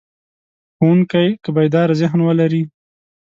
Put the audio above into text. ښوونکی که بیداره ذهن ولري.